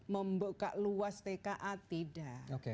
membuka luas tka tidak